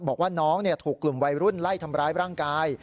บอกว่าน้องถูกกลุ่มวัยรุ่นไล่ทำร้ายร่างกาย